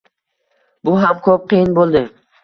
Bu ham ko‘p qiyin bo‘ldi.